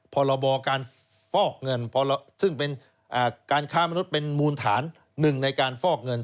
พรบการฟอกเงินซึ่งเป็นการค้ามนุษย์เป็นมูลฐานหนึ่งในการฟอกเงิน